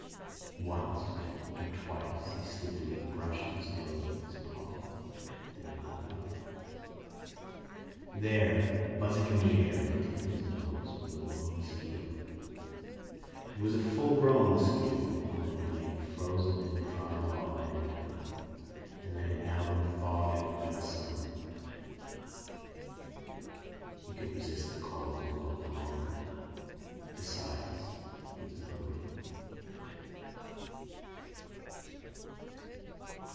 Once, and twice, he sleepily brushed his nose with his paw. Then he woke up. There, buzzing in the air at the tip of his nose, was a lone mosquito. It was a full grown mosquito, one that had lain frozen in a dry log all winter and that had now been thawed out by the sun. He could resist the call of the world no longer. Besides, he was hungry.